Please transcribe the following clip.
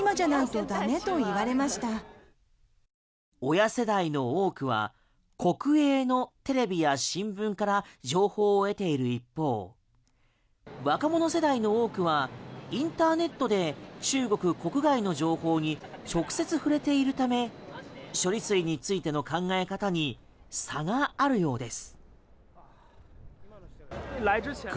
親世代の多くは国営のテレビや新聞から情報を得ている一方若者世代の多くはインターネットで中国国外の情報に直接触れているため処理水についての考え方に差があるようです。